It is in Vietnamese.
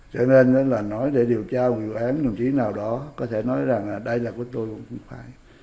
cho nên là nói để điều tra vụ án một chút nào đó có thể nói rằng đây là của tôi cũng không phải